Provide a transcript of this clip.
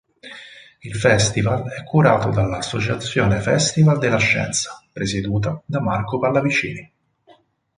Il Festival è curato dall'Associazione Festival della scienza, presieduta da Marco Pallavicini.